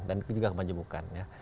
dan juga kemanjemukan ya